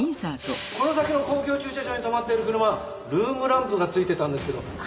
この先の公共駐車場に止まってる車ルームランプがついてたんですけど。